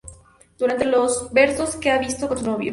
Durante los versos, que ha visto con su novio.